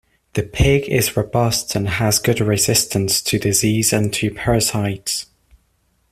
The pig is robust and has good resistance to disease and to parasites.